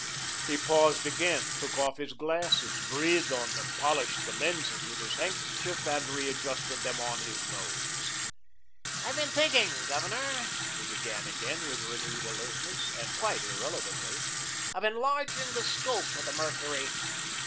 He paused again, took off his glasses, breathed on them, polished the lenses with his handkerchief and readjusted them on his nose. "I've been thinking, Governor," he began again, with renewed alertness, and quite irrelevantly, "of enlarging the scope of the 'Mercury.'